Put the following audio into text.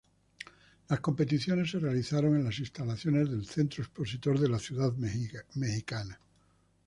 Las competiciones se realizaron en las instalaciones del Centro Expositor de la ciudad mexicana.